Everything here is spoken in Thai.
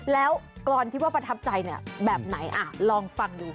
แล้วกรอนที่ว่าประทับใจเนี่ยแบบไหนลองฟังดู